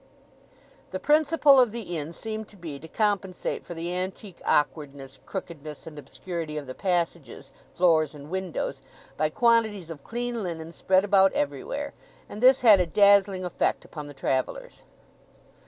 The principle of the inn seemed to be to compensate for the antique awkwardness, crookedness, and obscurity of the passages, floors, and windows, by quantities of clean linen spread about everywhere, and this had a dazzling effect upon the travellers.